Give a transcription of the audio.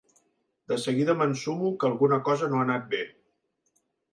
De seguida m'ensumo que alguna cosa no ha anat bé.